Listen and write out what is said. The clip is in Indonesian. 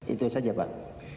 itu saja pak